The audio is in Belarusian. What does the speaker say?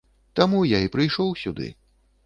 Таму я і прыйшоў сюды.